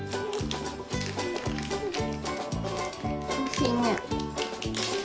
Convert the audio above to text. おいしいね。